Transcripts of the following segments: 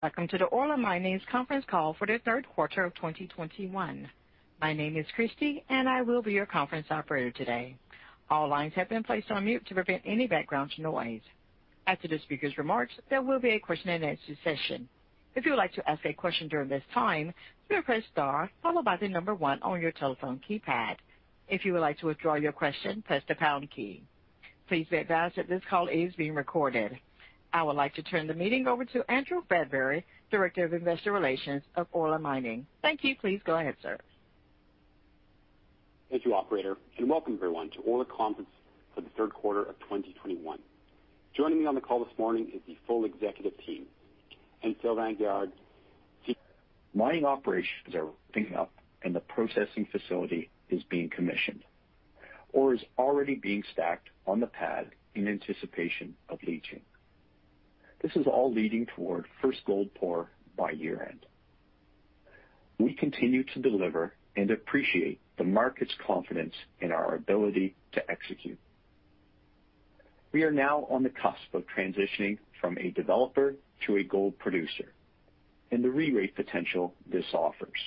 Welcome to Orla Mining's conference call for the third quarter of 2021. My name is Christy, and I will be your conference operator today. All lines have been placed on mute to prevent any background noise. After the speaker's remarks, there will be a question and answer session. If you would like to ask a question during this time, you may press star followed by the number one on your telephone keypad. If you would like to withdraw your question, press the pound key. Please be advised that this call is being recorded. I would like to turn the meeting over to Andrew Bradbury, Director of Investor Relations of Orla Mining. Thank you. Please go ahead, sir. Thank you, operator, and welcome everyone to Orla conference for the third quarter of 2021. Joining me on the call this morning is the full executive team. Mining operations are ramping up and the processing facility is being commissioned, ore is already being stacked on the pad in anticipation of leaching. This is all leading toward first gold pour by year-end. We continue to deliver and appreciate the market's confidence in our ability to execute. We are now on the cusp of transitioning from a developer to a gold producer and the re-rate potential this offers.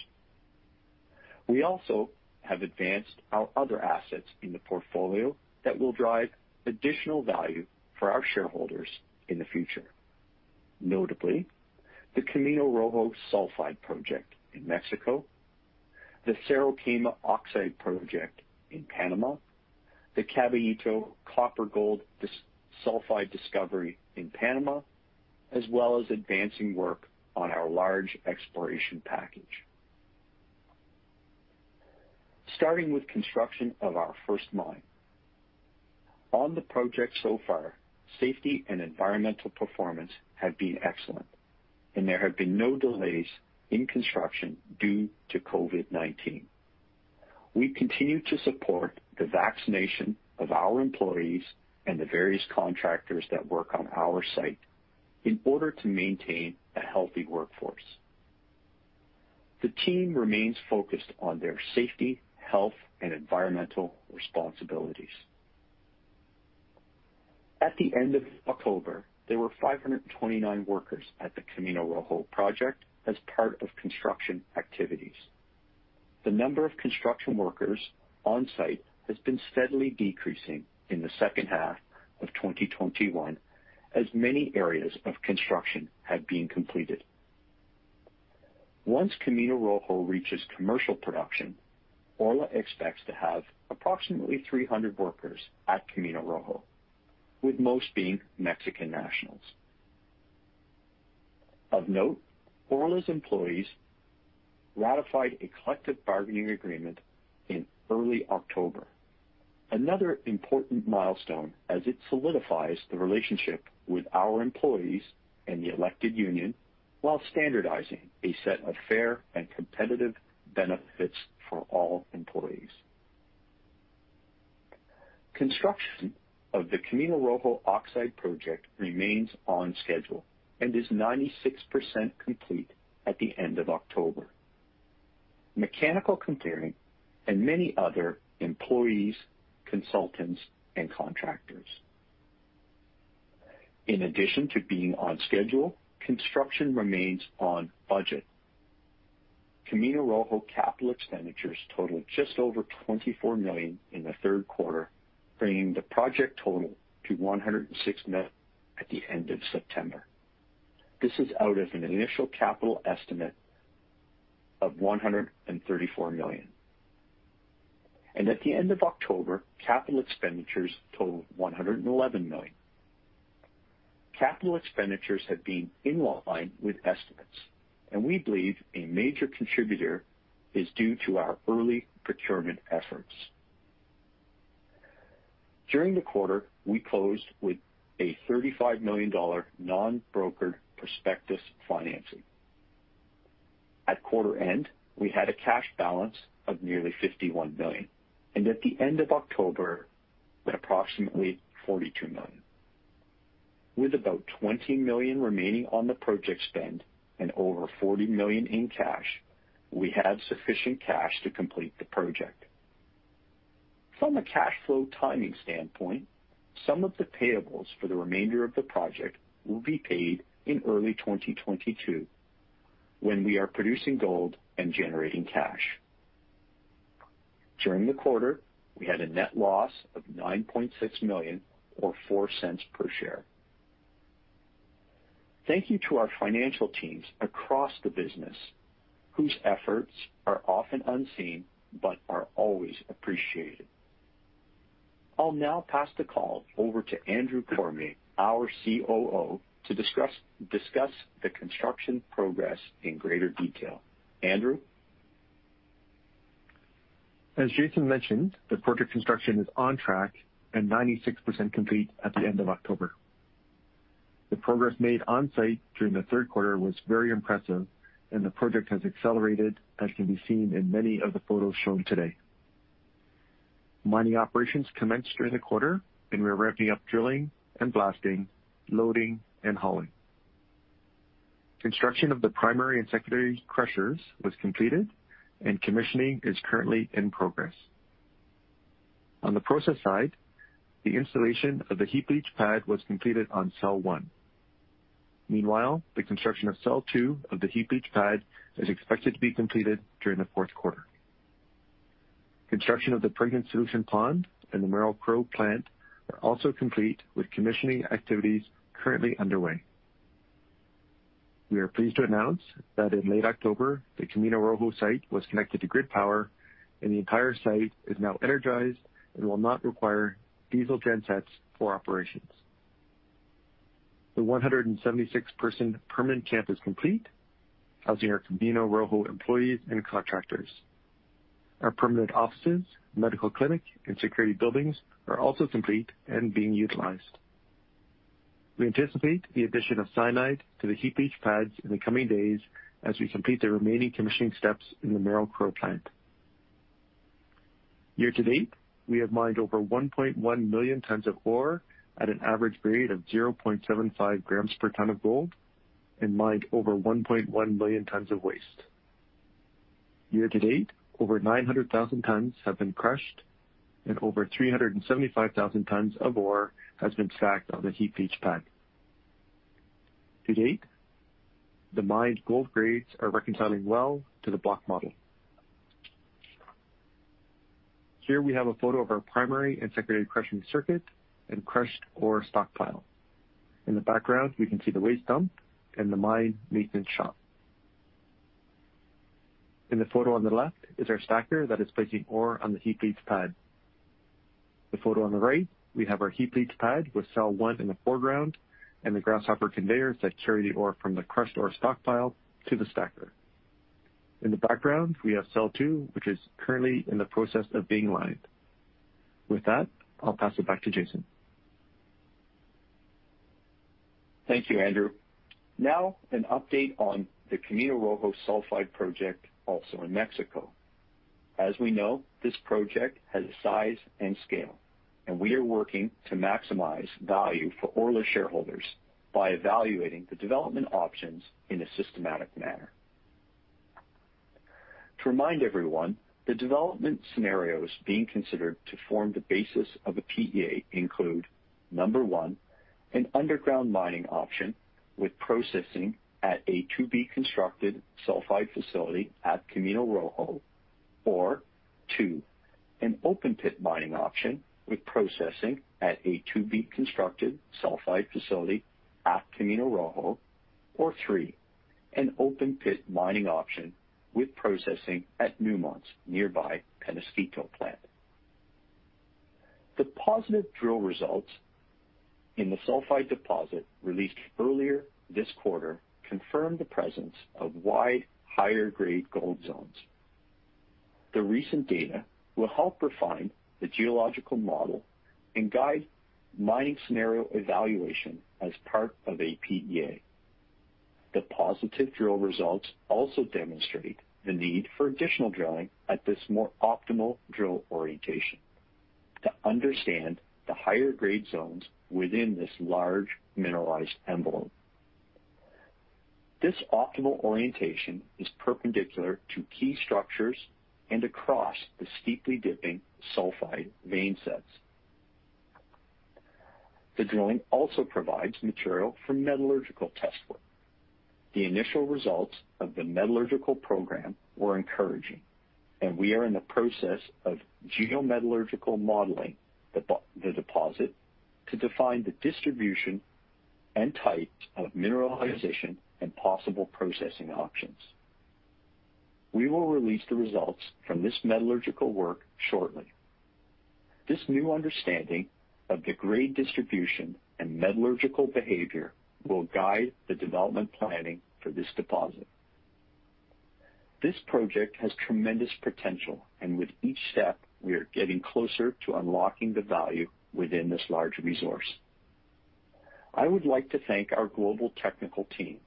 We also have advanced our other assets in the portfolio that will drive additional value for our shareholders in the future. Notably, the Camino Rojo Sulfide Project in Mexico, the Cerro Quema Oxide Project in Panama, the Caballito copper-gold sulfide discovery in Panama, as well as advancing work on our large exploration package. Starting with construction of our first mine. On the project so far, safety and environmental performance have been excellent, and there have been no delays in construction due to COVID-19. We continue to support the vaccination of our employees and the various contractors that work on our site in order to maintain a healthy workforce. The team remains focused on their safety, health, and environmental responsibilities. At the end of October, there were 529 workers at the Camino Rojo project as part of construction activities. The number of construction workers on site has been steadily decreasing in the second half of 2021, as many areas of construction have been completed. Once Camino Rojo reaches commercial production, Orla expects to have approximately 300 workers at Camino Rojo, with most being Mexican nationals. Of note, Orla's employees ratified a collective bargaining agreement in early October. Another important milestone as it solidifies the relationship with our employees and the elected union, while standardizing a set of fair and competitive benefits for all employees. Construction of the Camino Rojo Oxide Project remains on schedule and is 96% complete at the end of October. Mechanical completion and many other employees, consultants, and contractors. In addition to being on schedule, construction remains on budget. Camino Rojo capital expenditures totaled just over $24 million in the third quarter, bringing the project total to $106 million at the end of September. This is out of an initial capital estimate of $134 million. At the end of October, capital expenditures totaled $111 million. Capital expenditures have been in line with estimates, and we believe a major contributor is due to our early procurement efforts. During the quarter, we closed with a $35 million non-brokered prospectus financing. At quarter end, we had a cash balance of nearly $51 million, and at the end of October, at approximately $42 million. With about $20 million remaining on the project spend and over $40 million in cash, we have sufficient cash to complete the project. From a cash flow timing standpoint, some of the payables for the remainder of the project will be paid in early 2022, when we are producing gold and generating cash. During the quarter, we had a net loss of $9.6 million or $0.04 per share. Thank you to our financial teams across the business, whose efforts are often unseen but are always appreciated. I'll now pass the call over to Andrew Cormier, our COO, to discuss the construction progress in greater detail. Andrew? As Jason mentioned, the project construction is on track and 96% complete at the end of October. The progress made on-site during the third quarter was very impressive, and the project has accelerated, as can be seen in many of the photos shown today. Mining operations commenced during the quarter, and we are ramping up drilling and blasting, loading and hauling. Construction of the primary and secondary crushers was completed and commissioning is currently in progress. On the process side, the installation of the heap leach pad was completed on cell one. Meanwhile, the construction of cell two of the heap leach pad is expected to be completed during the fourth quarter. Construction of the pregnant solution pond and the Merrill Crowe plant are also complete, with commissioning activities currently underway. We are pleased to announce that in late October, the Camino Rojo site was connected to grid power, and the entire site is now energized and will not require diesel gen sets for operations. The 176-person permanent camp is complete, housing our Camino Rojo employees and contractors. Our permanent offices, medical clinic, and security buildings are also complete and being utilized. We anticipate the addition of cyanide to the heap leach pads in the coming days as we complete the remaining commissioning steps in the Merrill Crowe plant. Year to date, we have mined over 1,100,000 tons of ore at an average grade of 0.75 grams per ton of gold and mined over 1,100,000 tons of waste. Year to date, over 900,000 tons have been crushed, and over 375,000 tons of ore has been stacked on the heap leach pad. To date, the mined gold grades are reconciling well to the block model. Here we have a photo of our primary and secondary crushing circuit and crushed ore stockpile. In the background, we can see the waste dump and the mine maintenance shop. In the photo on the left is our stacker that is placing ore on the heap leach pad. The photo on the right, we have our heap leach pad, with cell one in the foreground and the grasshopper conveyors that carry the ore from the crushed ore stockpile to the stacker. In the background, we have cell two, which is currently in the process of being lined. With that, I'll pass it back to Jason. Thank you, Andrew. Now an update on the Camino Rojo sulfide project, also in Mexico. As we know, this project has size and scale, and we are working to maximize value for Orla shareholders by evaluating the development options in a systematic manner. To remind everyone, the development scenarios being considered to form the basis of a PEA include, number one, an underground mining option with processing at a to-be-constructed sulfide facility at Camino Rojo, or two, an open pit mining option with processing at a to-be-constructed sulfide facility at Camino Rojo, or three, an open pit mining option with processing at Newmont's nearby Peñasquito plant. The positive drill results in the sulfide deposit released earlier this quarter confirmed the presence of wide, higher grade gold zones. The recent data will help refine the geological model and guide mining scenario evaluation as part of a PEA. The positive drill results also demonstrate the need for additional drilling at this more optimal drill orientation to understand the higher grade zones within this large mineralized envelope. This optimal orientation is perpendicular to key structures and across the steeply dipping sulfide vein sets. The drilling also provides material for metallurgical test work. The initial results of the metallurgical program were encouraging, and we are in the process of geo-metallurgical modeling the deposit, to define the distribution and types of mineralization and possible processing options. We will release the results from this metallurgical work shortly. This new understanding of the grade distribution and metallurgical behavior will guide the development planning for this deposit. This project has tremendous potential, and with each step, we are getting closer to unlocking the value within this large resource. I would like to thank our global technical team,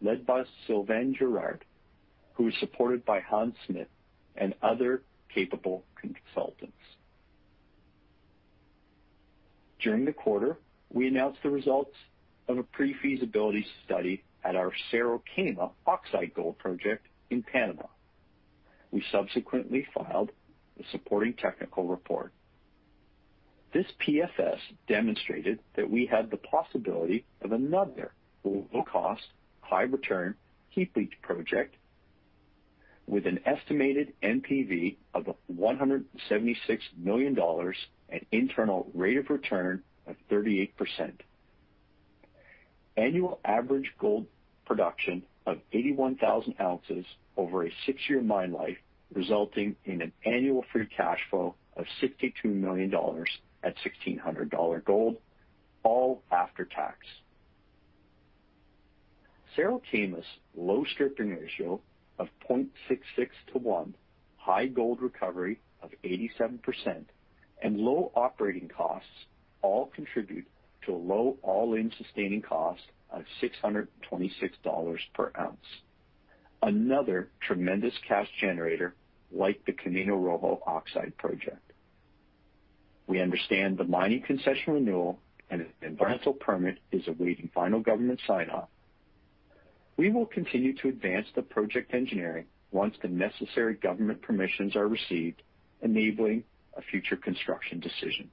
led by Sylvain Guerard, who is supported by Hans Smit and other capable consultants. During the quarter, we announced the results of a pre-feasibility study at our Cerro Quema oxide gold project in Panama. We subsequently filed the supporting technical report. This PFS demonstrated that we had the possibility of another low-cost, high-return heap leach project with an estimated NPV of $176 million and internal rate of return of 38%. Annual average gold production of 81,000 ounces over a six-year mine life, resulting in an annual free cash flow of $62 million at $1,600 gold, all after tax. Cerro Quema's low stripping ratio of 0.66 to 1, high gold recovery of 87%, and low operating costs all contribute to a low all-in sustaining cost of $626 per ounce. Another tremendous cash generator like the Camino Rojo oxide project. We understand the mining concession renewal and environmental permit is awaiting final government sign-off. We will continue to advance the project engineering once the necessary government permissions are received, enabling a future construction decision.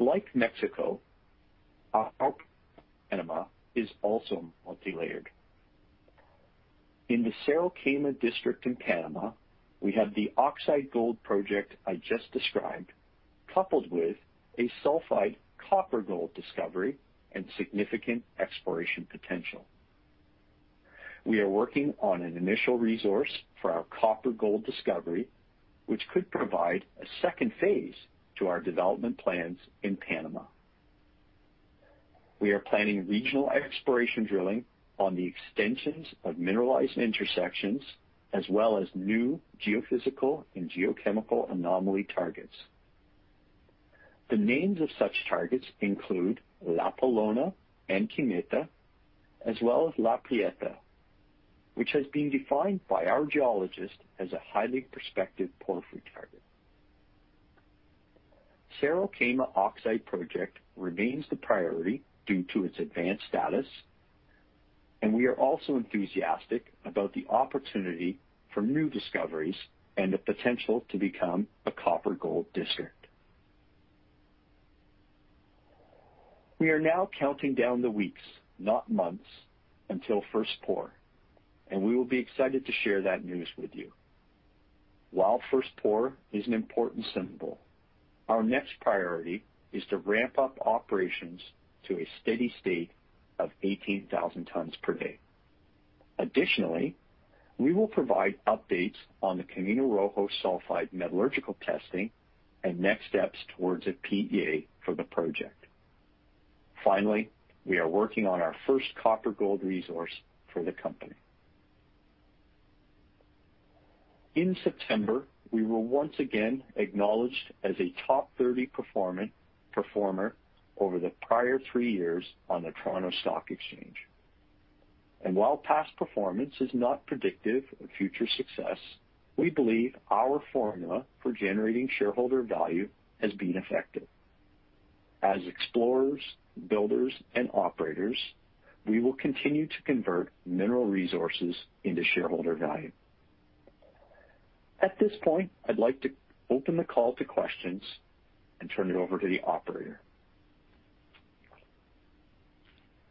Like Mexico, our Panama is also multilayered. In the Cerro Quema district in Panama, we have the oxide gold project I just described, coupled with a sulfide copper-gold discovery and significant exploration potential. We are working on an initial resource for our copper-gold discovery, which could provide a second phase to our development plans in Panama. We are planning regional exploration drilling on the extensions of mineralized intersections, as well as new geophysical and geochemical anomaly targets. The names of such targets include La Pelona and Quemita, as well as La Prieta, which has been defined by our geologist as a highly prospective porphyry target. Cerro Quema Oxide Project remains the priority due to its advanced status, and we are also enthusiastic about the opportunity for new discoveries and the potential to become a copper-gold district. We are now counting down the weeks, not months, until first pour, and we will be excited to share that news with you. While first pour is an important symbol, our next priority is to ramp up operations to a steady state of 18,000 tons per day. Additionally, we will provide updates on the Camino Rojo Sulfide metallurgical testing and next steps towards a PEA for the project. Finally, we are working on our first copper-gold resource for the company. In September, we were once again acknowledged as a top 30 performer over the prior three years on the Toronto Stock Exchange. And while past performance is not predictive of future success, we believe our formula for generating shareholder value has been effective. As explorers, builders, and operators, we will continue to convert mineral resources into shareholder value. At this point, I'd like to open the call to questions and turn it over to the operator.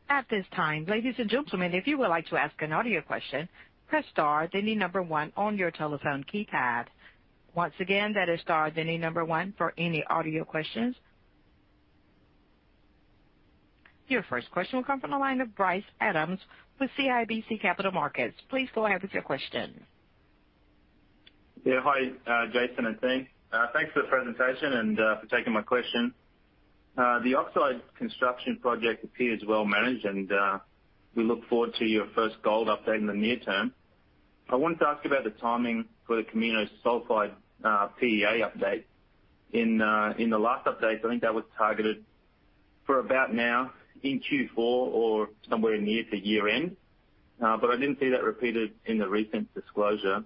At this time, ladies and gentlemen, if you would like to ask an audio question, press star, then the number one on your telephone keypad. Once again, that is star, then the number one for any audio questions. Your first question will come from the line of Bryce Adams with CIBC Capital Markets. Please go ahead with your question. Yeah. Hi, Jason and team. Thanks for the presentation and for taking my question. The oxide construction project appears well managed, and we look forward to your first gold update in the near term. I wanted to ask about the timing for the Camino sulfide PEA update. In the last update, I think that was targeted for about now in Q4 or somewhere near to year-end, but I didn't see that repeated in the recent disclosure.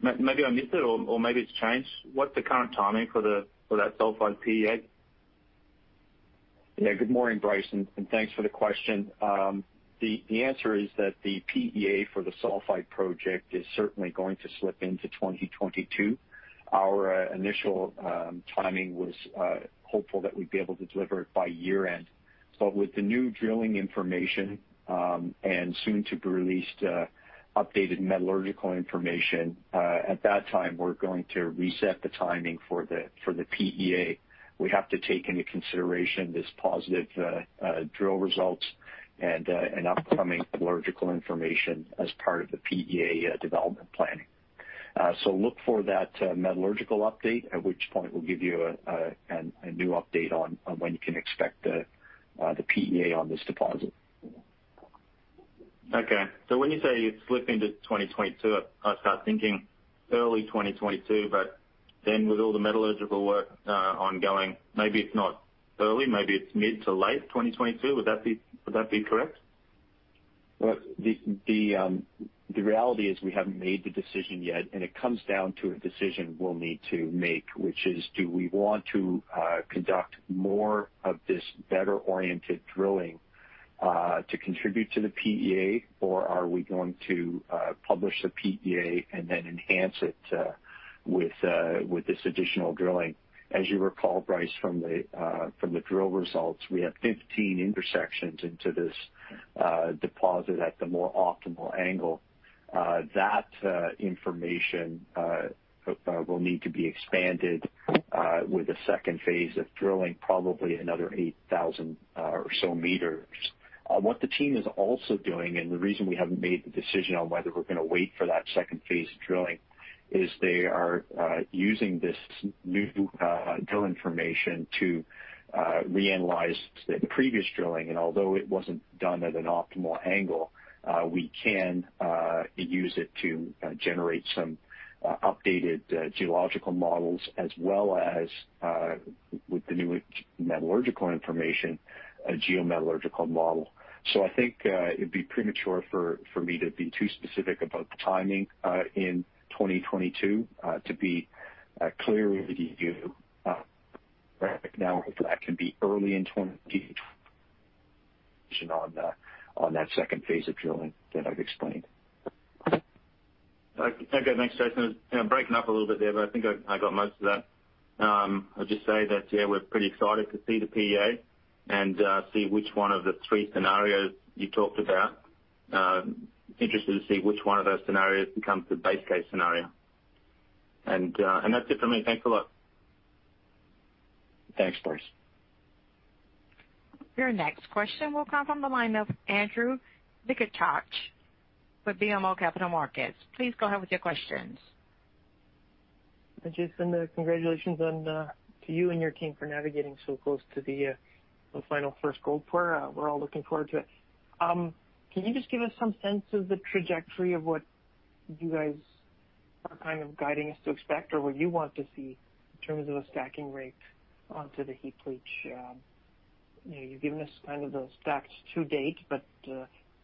Maybe I missed it or maybe it's changed. What's the current timing for that sulfide PEA? Yeah. Good morning, Bryce, and thanks for the question. The answer is that the PEA for the sulfide project is certainly going to slip into 2022. Our initial timing was hopeful that we'd be able to deliver it by year-end. But with the new drilling information and soon-to-be-released updated metallurgical information, at that time, we're going to reset the timing for the PEA. We have to take into consideration this positive drill results and an upcoming metallurgical information as part of the PEA development planning. So look for that metallurgical update, at which point we'll give you a new update on when you can expect the PEA on this deposit. Okay. So when you say it's slipping to 2022, I start thinking early 2022, but then with all the metallurgical work ongoing, maybe it's not early, maybe it's mid to late 2022. Would that be correct? Well, the reality is we haven't made the decision yet, and it comes down to a decision we'll need to make, which is, do we want to conduct more of this better-oriented drilling to contribute to the PEA, or are we going to publish the PEA and then enhance it with this additional drilling? As you recall, Bryce, from the drill results, we have 15 intersections into this deposit at the more optimal angle. That information will need to be expanded with a second phase of drilling, probably another 8,000 or so meters. What the team is also doing, and the reason we haven't made the decision on whether we're gonna wait for that second phase of drilling, is they are using this new drill information to reanalyze the previous drilling. And although it wasn't done at an optimal angle, we can use it to generate some updated geological models, as well as, with the new metallurgical information, a geometallurgical model. So I think it'd be premature for me to be too specific about the timing in 2022. To be clear with you, right now, that can be early to late on that second phase of drilling that I've explained. Okay, thanks, Jason. You're breaking up a little bit there, but I think I got most of that. I'll just say that, yeah, we're pretty excited to see the PEA and see which one of the three scenarios you talked about. Interested to see which one of those scenarios becomes the base case scenario. And, and that's it for me. Thanks a lot. Thanks, Bryce. Your next question will come from the line of Andrew Mikitchook with BMO Capital Markets. Please go ahead with your questions. Jason, congratulations on to you and your team for navigating so close to the final first gold pour. We're all looking forward to it. Can you just give us some sense of the trajectory of what you guys are kind of guiding us to expect or what you want to see in terms of a stacking rate onto the heap leach? You've given us kind of the stacked to date, but I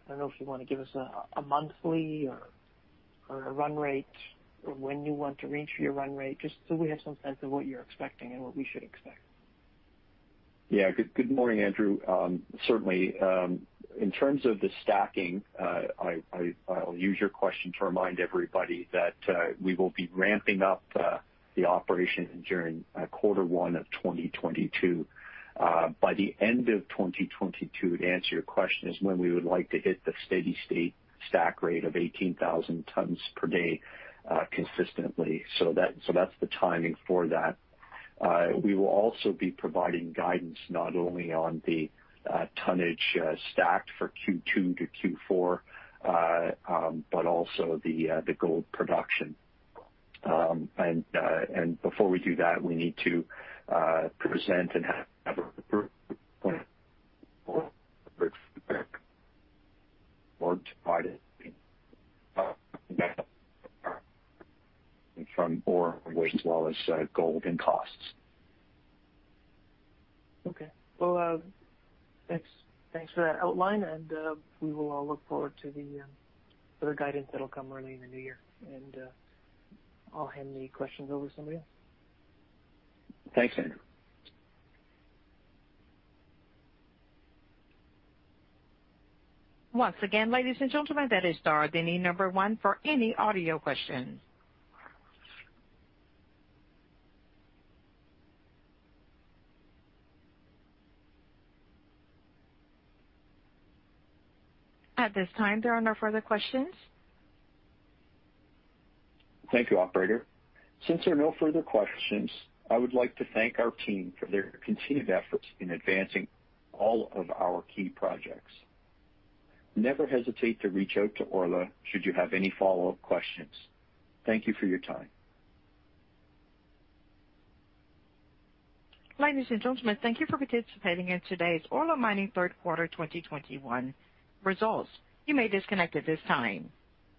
don't know if you want to give us a monthly or a run rate or when you want to reach your run rate, just so we have some sense of what you're expecting and what we should expect. Yeah. Good, good morning, Andrew. Certainly, in terms of the stacking, I'll use your question to remind everybody that we will be ramping up the operation during Q1 2022. By the end of 2022, to answer your question, is when we would like to hit the steady state stack rate of 18,000 tons per day consistently. So that's the timing for that. We will also be providing guidance, not only on the tonnage stacked for Q2 to Q4, but also the gold production. And before we do that, we need to present and have firm ore as well as gold and costs. Okay. Well, thanks, thanks for that outline, and we will all look forward to the further guidance that'll come early in the new year. I'll hand the questions over to somebody else. Thanks, Andrew. Once again, ladies and gentlemen, that is star then number one for any audio questions. At this time, there are no further questions. Thank you, operator. Since there are no further questions, I would like to thank our team for their continued efforts in advancing all of our key projects. Never hesitate to reach out to Orla should you have any follow-up questions. Thank you for your time. Ladies and gentlemen, thank you for participating in today's Orla Mining third quarter 2021 results. You may disconnect at this time.